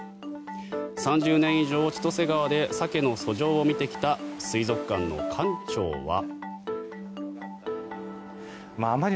３０年以上、千歳川でサケの遡上を見てきた水族館の館長は。